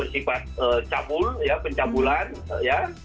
sifat cabul ya pencabulan ya